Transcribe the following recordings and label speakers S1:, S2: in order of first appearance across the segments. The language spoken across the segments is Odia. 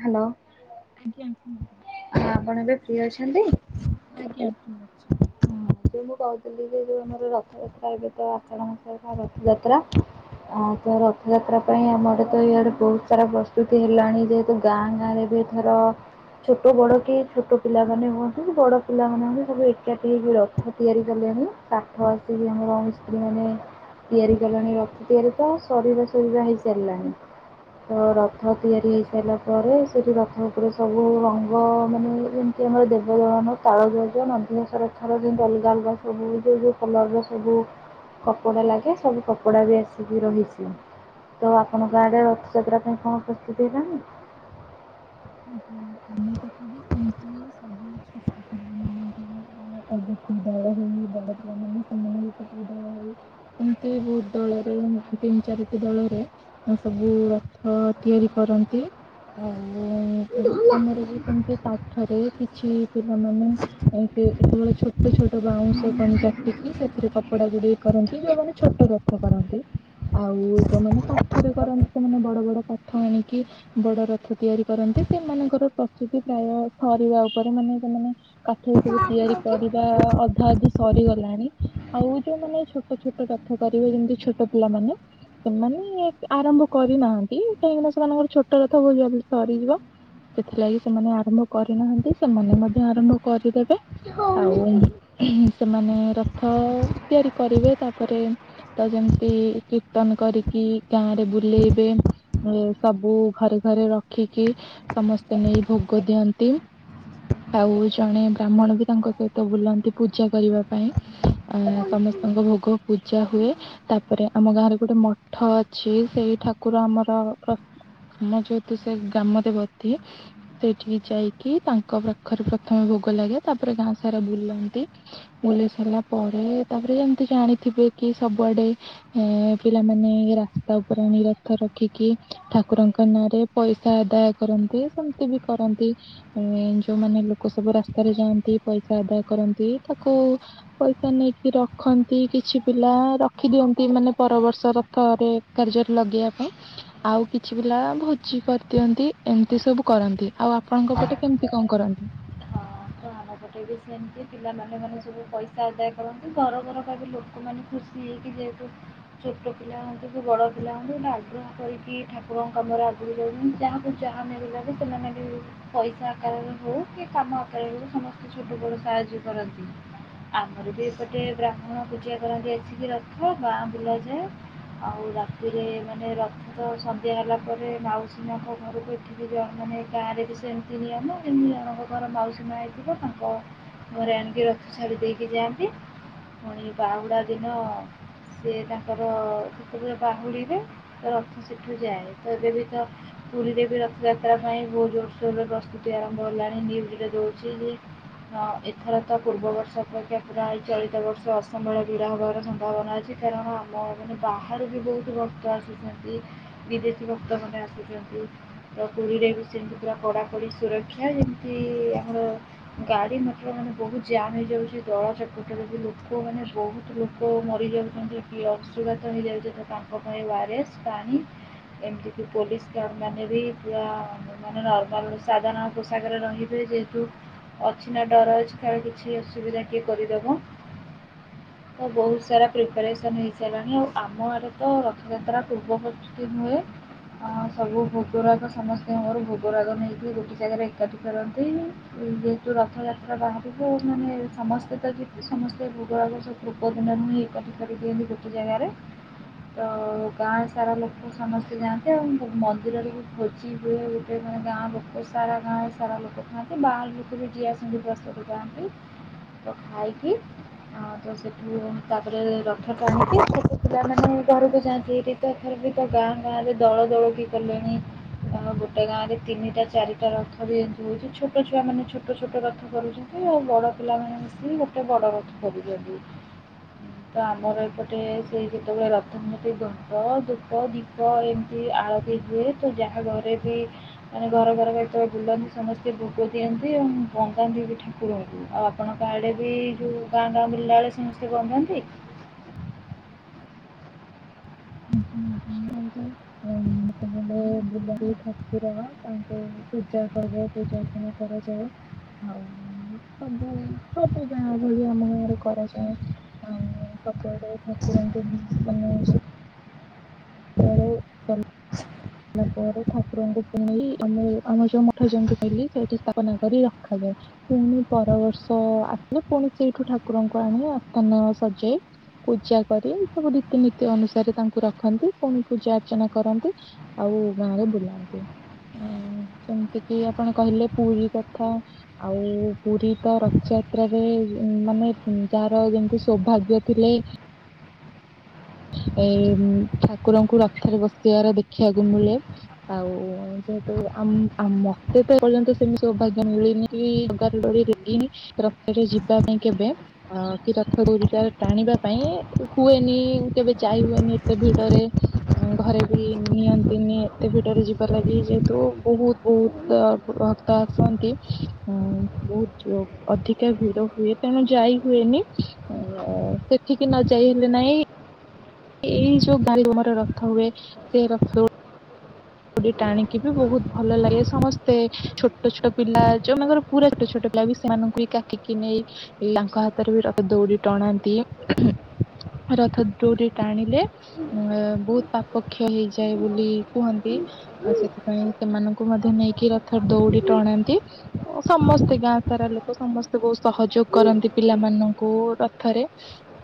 S1: ହ୍ୟାଲୋ।
S2: ଆଜ୍ଞା ଉଁ।
S1: ହଁ ଆପଣ ଏବେ ଫ୍ରି ଅଛନ୍ତି?
S2: ଆଜ୍ଞା ଫ୍ରି ଅଛି।
S1: ହଁ ମୁଁ କହୁଥିଲି ଯେ ଯୋଉ ଆମର ରଥଯାତ୍ରା ଏବେ ତ ଆଷାଢ ମାସ ବା ରଥଯାତ୍ରା। ଆଉ ତ ରଥଯାତ୍ରା ପାଇଁ ଆମର ତ ଇଆଡେ ବହୁତ ସାରା ପ୍ରସ୍ତୁତି ହେଲାଣି ଯେହେତୁ ଗାଁ ଗାଁ ରେ ବି ଧର ଛୋଟ ବଡ଼ କି ଛୋଟ ପିଲାମାନେ ହୁଅନ୍ତୁ କି ବଡ଼ ପିଲାମାନେ ବି ସବୁ ଏକାଠି ହେଇକି ର ଥ ତିଆରି କଲେଣିି କାଠ ଆସିକି ଆମର ମିସ୍ତ୍ରୀ ମାନେ ତିଆରି କଲେଣି ରଥ ତିଆରି ଟା ଶରୀର ସବୁ ଯାହା ହେଇସାରିଲାଣି। ତ ରଥ ତିଆରି ହେଇସାରିଲା ପରେ ସେଠି ରଥ ଉପରେ ସବୁ ରଙ୍ଗ ମାନେ ସେ ଆମର ଦେବଦଳନ ତାଳଧ୍ୱଜ ନନ୍ଦିଘୋଷ ରଥ ର ଅଲଗା ଅଲଗା ସବୁ ଯୋଉ ଯୋଉ କଲର ର ସବୁ କପଡ଼ା ଲାଗେ ସବୁ କପଡ଼ା ବି ଆସିକି ରହିଛି। ତ ଆପଣଙ୍କ ଆଡେ ରଥଯାତ୍ରା ପାଇଁ କଣ ପ୍ରସ୍ତୁତି ହେଲାଣି?
S2: [unintelligible] [unintelligible] ଏମିତି ବହୁତ ଦଳରେ ତିନି ଚାରିଟି ଦଳର ସବୁ ରଥ ତିଆରି କରନ୍ତି ଆଉ
S1: [unintelligible]
S2: ଆମର ବି ସେମିତି ପାଠରେ କିଛି ପିଲାମାନେ ଏ ତେ କେବଳେ ଛୋଟ ଛୋଟ ବାଉଁଶ କଣି କାଟିକି ସେଥିରେ କପଡା ଗୁଡିକ କରନ୍ତି ଯୋଉମାନେ ଛୋଟ ଟ ରଥ କରନ୍ତି। ଆଉ ଯୋଉମାନେ କାଠରେ କରନ୍ତି ସେମାନେ ବଡ ବଡ କାଠ ଆଣିକି ବଡ ରଥ ତିଆରି କରନ୍ତି ସେମାନଙ୍କର ପ୍ରସ୍ତୁତି ପ୍ରାୟ ସରିବା ଉପରେ ମାନେ ସେମାନେ କାଠରେ ସବୁ ତିଆରି
S1: ହେଲାଣି
S2: କରିବା ଅଧା ଅଧି ସରିଗଲାଣି। ଆଉ ଯୋଉମାନେ ଛୋଟ ଛୋଟ କଥା କରିବେ ଯେମିତି ଛୋଟ ପିଲାମାନେ ସେମାନେ ଆରମ୍ଭ କରିନାହାନ୍ତି କାହିଁକିନା ସେମାନଙ୍କର ଛୋଟ ରଥ [unintelligible] ସରିଯିବ ସେଥିଲାଗି ସେମାନେ ଆରମ୍ଭ କରିନାହାନ୍ତି ସେମାନେ ମଧ୍ୟ ଆରମ୍ଭ କରିଦେବେ। ଆଉ ସେମାନେ ରଥ ତିଆରି କରିବେ ତାପରେ ତ ଯେମିତି କୀର୍ତ୍ତନ କରିକି ଗାଁ ରେ ବୁଲେଇବେ। ଏ ସବୁ ଘରେ ଘରେ ରଖିକି ସମସ୍ତେ ନେଇ ଭୋଗ ଦିଅନ୍ତି। ଆଉ ଜଣେ ବ୍ରାହ୍ମଣ ବି ତାଙ୍କ ସହିତ ବୁଲନ୍ତି ପୂଜା କରିବା ପାଇଁ। ଆ ସମସ୍ତଙ୍କ ଭୋଗ ପୂଜା ହୁଏ। ତାପରେ ଆମ ଗାଁରେ ଗୋଟେ ମଠ ଅଛି ସେଇ ଠାକୁର ଆମର ର ଆମ ଯଉ ତୁ ସେ ଗ୍ରାମ ଦେବତୀ ସେଇଠିକି ଯାଇକି ତାଙ୍କ ପାଖରେ ପ୍ରଥମେ ଭୋଗ ଲାଗେ ତାପରେ ଗାଁ ସାରା ବୁଲନ୍ତି। ବୁଲେଇ ସାରିଲା ପରେ ତାପରେ ଯେମତି ଜାଣିଥିବେ କି ସବୁଆଡେ ଏ ପିଲାମାନେ ରାସ୍ତା ଉପରେ ନିରଥ ରଖିକି ଠାକୁରଙ୍କ ନାଁରେ ପଇସା ଆଦାୟ କରନ୍ତି ସେମିତି ବି କରନ୍ତି। ଏ ଯୋଉମାନେ ଲୋକ ସବୁ ରାସ୍ତାରେ ଯାଆନ୍ତି ପଇସା ଆଦାୟ କରନ୍ତି ତାକୁ ପଇସା ନେଇକି ରଖନ୍ତି କିଛି ପିଲା ରଖି ଦିଅନ୍ତି ମାନେ ପର ବର୍ଷର ରଥରେ କାର୍ଯ୍ୟରେ ଲଗେଇବା ପାଇଁ ଆଉ କିଛି ପିଲା ବହୁତ କିଛି କରିଦିଅନ୍ତି ଏମିତି ସବୁ କରନ୍ତି ଆଉ ଆପଣଙ୍କ ପଟେ କେମିତି କଣ କରନ୍ତି।
S1: ତାପଟେ ବି ସେମିତି ପିଲାମାନେ ମାନେ ସବୁ ପଇସା ଆଦାୟ କରନ୍ତି ଘର ଘର ପାଇଁ ବି ଲୋକମାନେ ଖୁସ ନେଇକି ଦେଦୁ। ଛୋଟ ପିଲା ହୁଅନ୍ତୁ କି ବଡ ପିଲା ହୁଅନ୍ତୁ ଗୋଟେ ଆଗ୍ରହ କରିକି ଠାକୁରଙ୍କ କାମରେ ଯାହାକୁ ଯାହା ମିଳିଲେ ବି ସେମାନେ ବି ପଇସା ଆକାରରେ ହେଉ କି କାମ ଆକାରରେ ସମସ୍ତେ ଛୋଟ ବଡ଼ ସାହାଯ୍ୟ କରନ୍ତି। ଆମର ବି ଏପଟେ ବ୍ରାହ୍ମଣ ପୂଜା କରନ୍ତି ଆସିକି ରଥ ଗାଁ ବୁଲାଯାଏ। ଆଉ ରାତିରେ ମାନେ ରଥ ତ ସନ୍ଧ୍ୟା ହେଲା ପରେ ମାଉସୀ ମାଙ୍କ ଘରକୁ [unintelligible] ମାନେ ଗାଁରେ ବି ସେମିତି ନିଅମ ଏମିତି ଜଣଙ୍କ ଘର ମାଉସୀ ମା ଥିବ ତାଙ୍କ ଘରେ ଆଣିକି ରଥ ଛାଡ଼ି ଦେଇକି ଯାଆନ୍ତି। ପୁଣି ବାହୁଡ଼ା ଦିନ। ସିଏ ତାଙ୍କର ସେତେବେଳେ ବାହୁଡ଼ିବେ ତ ରଥ ସେଠୁ ଯାଏ ତ ଏବେ ବି ତ ପୁରୀ ରେ ବି ରଥଯାତ୍ରା ପାଇଁ ବହୁତ ଜୋରସୋର ରେ ପ୍ରସ୍ତୁତି ଆରମ୍ଭ ହେଲାଣି ନ୍ୟୁଜ ରେ ଦଉଛି। ଅ ଏଥର ତ ପୂର୍ବ ବର୍ଷ ଅପେକ୍ଷା ପୁରା ଚଳିତ ବର୍ଷ ଅସମ୍ଭାଳ ଭିଡା ହବାର ସମ୍ଭାବନା ଅଛି। କାରଣ ଆମ ମାନେ ବାହାରୁ ବି ବହୁତ ଭକ୍ତ ଆସୁଛନ୍ତି। ବିଦେଶୀ ଭକ୍ତ ମାନ ଆସୁଛନ୍ତି। ତ ପୁରୀରେ ବି ସେମିତି ପୁରା କଡା କଡି ସୁରକ୍ଷା ଯେମିତି ଆମର। ଗାଡି ମଟର ମାନେ ବହୁତ ଜାମ୍ ହେଇଯାଉଛି ଦଳା ଚକଟାରେ ବି ଲୋକମାନେ ବହୁତ ଲୋକ ଲୋକ ମରିଯାଉଛନ୍ତି କି ଅଂଶୁଘାତ ହେଇଯାଉଛନ୍ତି ତାଙ୍କ ପାଇଁ ୱାରସ୍ ପାଣି। ଏମିତି କି ପୋଲିସ ମାନେ ବି ପୁରା ମାନେ ନର୍ମାଲ ସାଧାରଣ ପୋଷାକରେ ରହିବେ ଯେ ଅଛି ନା ଡର ଅଛି କାଳେ କିଛି ଅସୁବିଧା କିଏ କରିଦେବ। ତ ବହୁତ ସାରା ପ୍ରିପାରେସନ ହେଇସାରିଲାଣି ଆଉ ଆମ ଆଡେ ତ ରଥଯାତ୍ରା ପୂର୍ବବ ତି ହୁଏ। ଅ ସବୁ ଭୋଗରାଗ ସମସ୍ତିଙ୍କର ଭୋଗରାଗ ନେଇକି ଗୋଟେ ଜାଗାରେ ଏକାଠି କରନ୍ତି। ଯେହେତୁ ରଥଯାତ୍ରା ବାହାରିବୁ ମାନେ ସମସ୍ତେ ତ ଯିବେ ସମସ୍ତେ ଭୂଗରାଗ ସବୁ [unintelligible] ଏକାଠି କରିଦିଅନ୍ତି ଗୋଟେ ଜାଗାରେ। ତ ଗାଁ ସାରା ଲୋକ ସମସ୍ତେ ଯାଆନ୍ତି ଆଉ ମନ୍ଦିରରେ ବି ଭୋଜି ହୁଏ। ମାନେ ଗାଁ ଲୋକ ସାରା ଗାଁ ସାରା ଲୋକ ଥାନ୍ ସେ ବାହାର ଲୋକ ବି ଯିଏ ଆସନ୍ତି ପ୍ରସାଦ ପାଆନ୍ତି ତ ଖାଇକି। ହଁ ତ ସେଠୁ ତାପରେ ରଥ ଟାଣିକି ପିଲାମାନେ ଘରକୁ ଯାଆନ୍ତି ଏଠି ଏଥରେ ବି ତ ଗାଁ ଗାଁରେ ଦଳ ଦଳିକି କଲେଣିି। ଆ ଗୋଟେ ଗାଁ ରେ ତିନିଟା ଚାରିଟା ରଥ ବି। [unintelligible] ଛୋଟ ଛୁଆମାନେ ଛୋଟ ଛୋଟ ରଥ କରୁଛନ୍ତି। ଆଉ ବଡ଼ ପିଲାମାନେ ମିଶିକି ଗୋଟେ ବଡ଼ ରଥ କରୁଛନ୍ତି। ତ ଆମର ଏପଟେ ସେ ଯେତେବେଳେ ରଥ ନିଅନ୍ତି ଝୋଟ, ଧୂପ, ଦୀପ ତ ଏମିତି ଆଳତି ହୁଏ। ତ ଯାହା ଘରେ ବି ମାନେ ଘର ଘର ଯେତେବେଳେ ବୁଲନ୍ତି ସମସ୍ତେ ଭୋଗ ଦିଅନ୍ତି ଏବଂ ବନ୍ଦାନ୍ତି ବି ଠାକୁରଙ୍କୁ ଆଉ ଆପଣ ଙ୍କ ଆଡ଼େ ବି ଯେଉଁ ଗାଁ ଗାଁ ବୁଲିଲାବେଳେ ବନ୍ଦାନ୍ତି।
S2: [inaudible] ଉଁ ତାମଲେ ବୁଲନ୍ତି ଠାକୁର ତାଙ୍କେ ପୂଜା କରେ ପୂଜାର୍ଚ୍ଚନା କର। ଆଉ ସବୁ ସବୁ ଗାଁ ଭଳି ଆମ ଗାଁରେ କରାଯାଏ। ଆଉ ସବୁଆଡେ ଠାକୁରଙ୍କୁ ମନେ [inaudible] ଆସିଲା ପରେ ଠାକୁରଙ୍କୁ ଶୁଣେଇ ଆମ ଆମର ଯୋଉ ମଠ ଯେମିତି କହିଲି ସେଇଠି ସ୍ଥାପନା କରି ରଖାଯାଏ। ପୁଣି ପର ବର୍ଷ ଆସିଲେ ପୁଣି ସେଇଠୁ ଠାକୁରଙ୍କୁ ଆଣି ଆସ୍ଥାନ ସଜେ ପୂଜା କରି ଏ ସବୁ ରୀତିନୀତି ଅନୁସାରେ ତାଙ୍କୁ ରଖନ୍ତି ପୁଣି ପୂଜା ଅର୍ଚ୍ଚନା କରନ୍ତି। ଆଉ ଗାଁରେ ବୁଲାନ୍ତି ଉଁ ଯେମିତି କିି ଆପଣ କହିଲେ ପୁରୀ କଥା। ଆଉ ପୁରୀ ତ ରଥଯାତ୍ରାରେ ମାନେ ଯାହାର ଯେମିତି ସୌଭାଗ୍ୟ ଥିଲେ। ଏ ଠାକୁରଙ୍କୁ ରାଥରେ ବସିବାର ଦେଖିବାକୁ ମିଳେ। ଆଉ ଯେହେତୁ ଆମ୍ ଆ ମତେ ଏପର୍ଯ୍ୟନ୍ତ ସେମିତି ସୌଭାଗ୍ୟ ମିଳିନି। କି ଜାଗାର ଡୋରି ଲାଗିନି ରଥରେ ଯିବା ପାଇଁ କେବେ। ଅ କି ରଥ ଦୌଡି ଟା ଟାଣିବା ପାଇଁ ହୁଏନି। କେବେ ଯାଇହୁଏନି ଏତେ ଭିଡରେ। ଘରେ ବି ନିଅନ୍ତିନି ଏତେ ଭିଡରେ ଯିବା ଲାଗି ଯେହେତୁ ବହୁତ ବହୁତ ତ ଆସନ୍ତି ବହୁତ ଅଧିକା ଭିଡ ହୁଏ ତେଣୁ ଯାଇ ହୁଏନି। ସେଠିକି ନ ଯାଇ ହେଲେ ନାଇଁ। ଏଇ ଯୋଉ କାଲୁଘରେ ରଥ ହୁଏ ସେ ରଥ ଦଉଡ଼ି ଟାଣିକି ବି ବହୁତ ଭଲ ଲାଗେ ସମସ୍ତେ ଛୋଟ ଛୋଟ ପିଲା ଯୋଉମାନଙ୍କର ପୁରା ଛୋଟ ଛୋଟ ପିଲା ବି ସେମାନଙ୍କୁ ବି କାଖେଇକି ନେଇ ପିଲାଙ୍କ ହାତରେ ବି ରଥ ଦଉଡି ଟଣାନ୍ତି। ରଥ ଦଉଡ଼ି ଟାଣିଲେ। ଉଁ ବହୁତ ପାପକ୍ଷୟ ହେଇଯାଏ ବୋଲି କୁହନ୍ତି। ଆଉ ସେଥିପାଇଁ ସେମାନଙ୍କୁ ମଧ୍ୟ ନେଇକି ରଥରେ ଦଉଡି ଟଣାନ୍ତି। ସମସ୍ତେ ଗାଁ ସାରା ଲୋକ ସମସ୍ତେ ବହୁତ ସହଯୋଗ କରନ୍ତି ପିଲାମାନଙ୍କୁ ରଥରେ।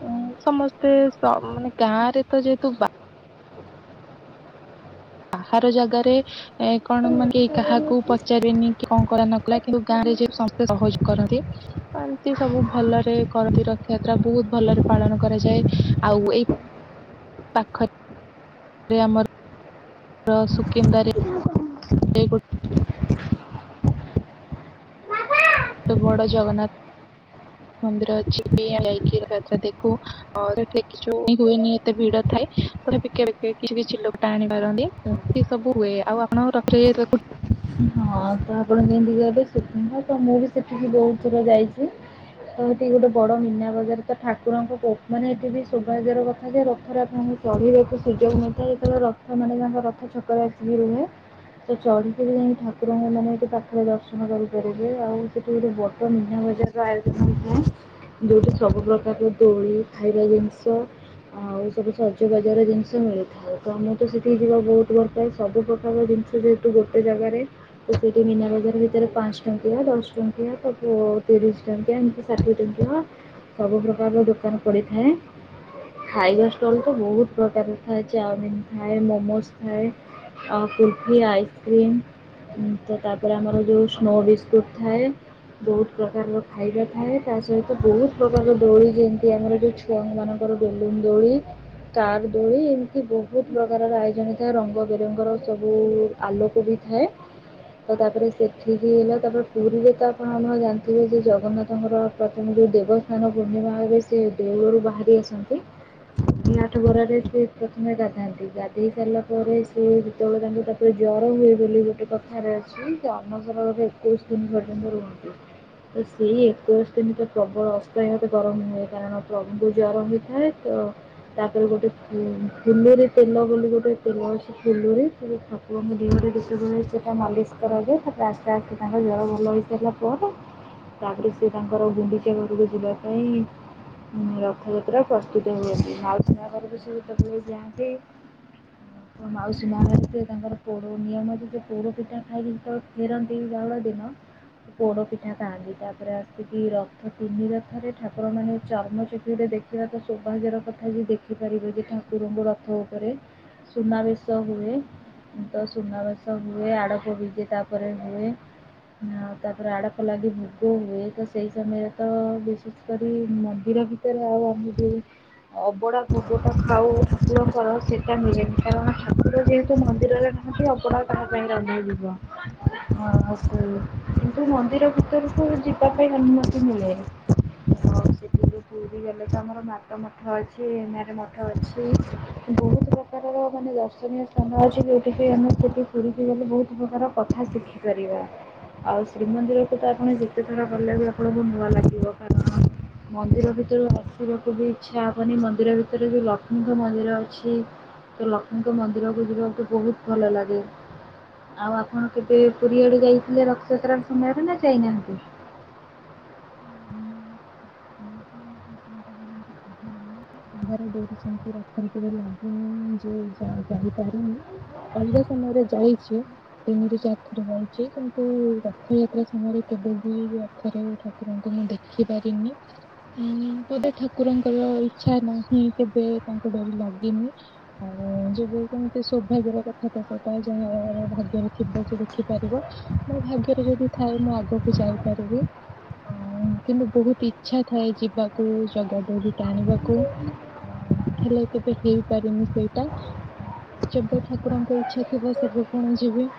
S2: ଉଁ ସମସ୍ତେ ମାନେ ଗାଁରେ ତ ଯେହେତୁ ବାହାର ଜାଗାରେ ଏ କଣ ମାନେ କାହାକୁ ପଚାରିବନି କି କଣ କଲାନକଲା କିନ୍ତୁ ଗାଁରେ ଯେ ସମସ୍ତେ ସହଯୋଗ କରନ୍ତି। ଏତି ସବୁ ଭଲରେ କରନ୍ତି ରଥଯାତ୍ରା। ବହୁତ ଭଲରେ ପାଳନ କରାଯାଏ। ଆଉ ଏଇ
S1: [inaudible]
S2: ପାଖରେ ଆମର ସୁକିନ୍ଦାରେ ଗୋ ଗୋଟେ ବଡ଼ ଜଗନ୍ନାଥ।
S1: [inaudible]
S2: ମନ୍ଦିର ଅଛି ବି ଯାଇକି ଯାତ୍ରା ଦେଖୁ ଆଉ ସେଠି କିଛି ହୁଏନି। ଏତେ ଭିଡ ଥାଏ ତା ପିକେ ପିକେ କିଛି କିଛି ଲୋକଟା ଆଣି ପାରନ୍ତି ଏମିତି ସବୁ ହୁଏ। ଆପଣ ରଥଯାତ୍ରାକୁ
S1: ହଁ ତ ଆପଣ ଯେମିତି କହିଲେ ସୁକିନ୍ଦା ତ ମୁଁ ବି ସେଠିକି ବହୁତ ଥର ଯାଇଛି। ତ ଏଠି ଗୋଟେ ବଡ ମୀନାବଜାର ତ ଠାକୁରଙ୍କ ମାନେ ଏଠି ବି ସୌଭାଗ୍ୟର କଥା ଯାଏ ରଥରେ ଆପଣଙ୍କୁ ଚଢିବାକୁ ସୁଯୋଗ ମିଳିଥାଏ ଯେତେବେଳେ ରଥ ମାନେ ତାଙ୍କ ରଥ ଛକରେ ଆସିକି ରୁହେ ସେ ଚଢି ସେଠି ଯାଇକି ଠାକୁରଙ୍କ ମାନେ ଏଠି ପାଖରେ ଦର୍ଶନ କରିପାରିବେ ଆଉ ସେଠି ଗୋଟେ ବଡ ମୀନା ବଜାର [unintelligible] ଯୋଉଠି ସବୁ ପ୍ରକାର ଦୋଳି, ଖାଇବା ଜିନିଷ ଆଉ ସବୁ ସଜବାଜର ଜିନିଷ ମିଳିଥାଏ। ତ ମୁଁ ତ ସେଠିକି ଯିବାକୁ ବହୁତ ଭଲପାଏ ସବୁ ପ୍ରକାର ଜିନିଷ ଯେହେତୁ ଗୋଟେ ଜାଗାରେ ତ ସେଇଠି ମିନା ବଜାର ଭିତରେ ପାଞ୍ଚ ଟଙ୍କିଆ, ଦଶ ଟଙ୍କିଆ ତ ତିରିଶ ଟଙ୍କିଆ ଏମିତି ସବୁ ଷାଠିଏ ଟଙ୍କିଆ ସବୁ ପ୍ରକାରର ଦୋକାନ ପଡିଥାଏ। ଖାଇବା ଷ୍ଟଲ ତ ବହୁତ ପ୍ରକାର ଥାଏ। ଚାଉମିିନ ଥାଏ ମୋମୋସ ଥାଏ। ଆଉ କୁଲଫି ଆଇ କ୍ରିମ୍ ତ ତାପରେ ଆମର ଯୋଉ ସ୍ନୋ ବିସ୍କୁଟ ଥାଏ। ବହୁତ ପ୍ରକାରର ଖାଇବା ଥାଏ। ତା ସହିତ ବହୁତ ପ୍ରକାରର ଦୋଳି ଯେମିତି ଆମର ଯୋଉ ଛୁଆମାନଙ୍କର ବେଲୁନ ଦୋଳି କାର ଦୋଳି ଏମିତି ବହୁତ ପ୍ରକାରର ଆୟୋଜନ ଥାଏ। ରଙ୍ଗ ବେରଙ୍ଗର ସବୁ ଆଲୋକ ବି ଥାଏ। ତ ତାପରେ ସେଠିକି ହେଲା ତାପରେ ପୁରୀରେ ତ ଆପଣ ଆମ ଜାଣିଥିବେ ଯେ ଜଗନ୍ନାଥଙ୍କର ପ୍ରଥମେ ଯୋଉ ଦେବସ୍ନାନ ପୂର୍ଣ୍ଣିମାରେ ସେ ଦେଉଳରୁ ବାହାରି ଆସନ୍ତି। ଶହେ ଆଠ ଗରାରେ ସେ ପ୍ରଥମେ ଗାଧାନ୍ତି ଗାଧେଇ ସାରିଲା ପରେ ସେ ଯେତେବେଳେ ତାଙ୍କୁ ତ ଜ୍ୱର ହୁଏ ବୋଲି ଗୋଟେ କଥାରେ ଅଛି ଯେ ଅନ୍ନସନ ଏକୋଇଶ ଦିନ ପର୍ଯ୍ୟନ୍ତ ରୁହନ୍ତି। ତ ସେଇ ଏକୋଇଶ ଦିନ ତ ପ୍ରବଳ ଅସ୍ଥାୟୀ ଭାବେ ଗରମ ହୁଏ, କାରଣ ପ୍ରଭୁଙ୍କୁ ଜ୍ୱର ହେଇଥାଏ। ତ୍ ତାପରେ ଗୋଟେ ଫୁଲୁରି ତେଲ ବୋଲି ଗୋଟେ ତେଲ ଅଛି ଫୁଲୁରି [unintelligible] ଦିହରେ ଯେତେବେଳେ ସେଇଟା ମାଲିସ କରାଯାଏ। ତାପରେ ଆସ୍ତେ ଆସ୍ତେ ତାଙ୍କ ଜ୍ଵର ଭଲ ହୋଇସାରିଲା ପରେ ତାପରେ ସେ ତାଙ୍କର ଗୁଣ୍ଡିଚା ଘରକୁ ଯିବା ପାଇଁ ରଥଯାତ୍ରା ପ୍ରସ୍ତୁତ ହୁଅନ୍ତି। ମାଉସି ମା ଘରକୁ ସିଏ ଯେତେବେଳେ ଯାଆନ୍ତି। ମାଉସୀ ମା ତାଙ୍କର ପୋଡ ନିୟମ ଅଛି ଯେ ପୋଡ ପିଠା ଖାଇଲେ ତ ଫେରନ୍ତି ବାହୁଡା ଦିନ। ପୋଡ ପିଠା ଖାଆନ୍ତି ତାପରେ ଆସିକି ରଥ ତିନି ରଥରେ ଠାକୁରମାନେ ଚର୍ମ ଚୁପିରେ ଦେଖ ସେଟା ତ ସୌଭାଗର କଥା ଯେ ଦେଖିପାରିବେ ଯେ ଠାକୁରଙ୍କୁ ରଥ ଉପରେ ସୁନାବେଶ ହୁଏ। ତ ସୁନାବେଶ ହୁଏ ଆଡପ ବିଜେ ତାପରେ ହୁଏ। ଆଉ ତାପରେ ଆଡପ ଲାଗି ଭୋଗ ହୁଏ। ତ ସେଇ ସମୟରେ ତ ବିଶେଷ କରି ମନ୍ଦିର ରେ ଆମକୁ ଅବଢା ଭୋଗଟା ଖାଉ ଠାକୁରଙ୍କର ସେଇଟା ମିଳେନି କାରଣ ଠାକୁର ଯେହେତୁ ମନ୍ଦିର [unintelligible] ଅଭଡା ତାଙ୍କ ପାଇଁ ରନ୍ଧା ଯିବ। ହଁ କିନ୍ତୁ ମନ୍ଦିର ଭିତରକୁ ଯିବା ପାଇଁ ଅନୁମତି ମିଳେ। ହଉ ସେ ପୁରୀ ଗଲେ ତ ଆମର ମାତା ମଠ ଅଛି ଏମାର ମଠ ଅଛି ବହୁତ। ପ୍ରକାରର ମାନେ ଦର୍ଶନୀୟ ସ୍ଥାନ ଅଛି। ସେ ଆମେ ପୁରୀକି ଗଲେ ବହୁତ ପ୍ରକାର କଥା ଶିଖିପାରିବା। ଆଉ ଶ୍ରୀମନ୍ଦିରକୁ ତ ଆପଣ ଯେତେ ଥର ଗଲେ ବି ଆପଣଙ୍କୁ ନୂଆ ଲାଗିବ। କାରଣ ମନ୍ଦିର ଭିତରୁ ଆସିବାକୁ ବି ଇଚ୍ଛା ହବନି ମନ୍ଦିର ଭିତରେ ଯୋଉ ଲକ୍ଷ୍ମୀଙ୍କ ମନ୍ଦିର ଅଛି। ତ ଲକ୍ଷ୍ମୀଙ୍କ ମନ୍ଦିରକୁ ଯିବାକୁ ବହୁତ ଭଲ ଲାଗେ। ଆଉ ଆପଣ କେବେ ପୁରୀଆଡେ ଯାଇଥିଲେ ରଥଯାତ୍ରା ସମୟରେ ନା ଯାଇନାହାନ୍ତି?
S2: [unintelligible] ହୁଁ ହୁଁ।
S1: [inaudible]
S2: ଜଗାର ଡୋରି ସେମିତି ରଥରେ କେବେ ଲାଗିନି ଯେ ଯାଇପାରିନି। ଅଲଗା ସମୟରେ ଯାଇଛି। ତିନିରୁ ଚାରି ଥର ଯାଇଚି କିନ୍ତୁ ରଥଯାତ୍ରା ସମୟରେ କେବେବି ରଥରେ ଠା କୁରଙ୍କୁ ମୁଁ ଦେଖି ପାରିନି। ଉଁ ପଦ ଠାକୁରଙ୍କର ଇଚ୍ଛା ନାହିଁ କେବେ ତାଙ୍କ ଡୋରି ଲାଗିନି। ଆଉ ଯେବେ ସେମିତି ସୌଭାଗ୍ୟର କଥା ତ ସେଇଟା ଯାହା ଭାଗ୍ୟରେ ଥିବ ଯେ ଦେଖିପାରିବ। ମୋ ଭାଗ୍ୟରେ ଯଦି ଥାଏ ମୁଁ ଆଗକୁ ଯାଇପାରିବି ଆଁ ଉ କିନ୍ତୁ ବହୁତ ଇ ଚ୍ଛା ଥାଏ ଯିବାକୁ ଜଗା ଡୋରି ଟାଣିବାକୁ। ଅଁ ହେଲେ କେବେ ହେଇପାରିନି ସେଇଟା। ଯେବେ ଠାକୁରଙ୍କ ଇଚ୍ଛା ଥିବ ସେବେ ପୁଣି ଯିବି।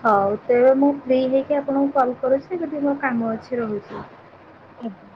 S1: ହଉ ତେବେ ମୁଁ ଫ୍ରି ହେଇକି ଆପଣଙ୍କୁ କଲ କରୁଛି ଯଦି ମୋ କାମ ଅଛି ରହୁଚି।
S2: ଆଜ୍ଞା।